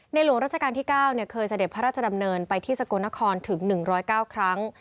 หลวงราชการที่๙เคยเสด็จพระราชดำเนินไปที่สกลนครถึง๑๐๙ครั้ง